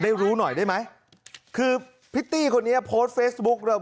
รู้หน่อยได้ไหมคือพิตตี้คนนี้โพสต์เฟซบุ๊กเลย